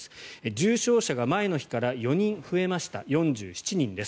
重症者が前の日から４人増えました４７人です。